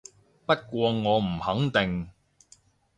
不過我唔肯定